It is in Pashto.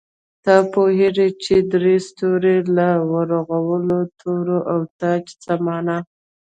ته پوهېږې چې درې ستوري، له ورغلو تورو او تاج څه مانا؟